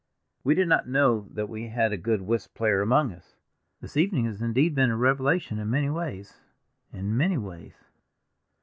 "We did not know that we had a good whist player among us. This evening has indeed been a revelation in many ways—in many ways.